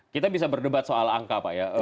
kita bisa berdebat soal angka pak ya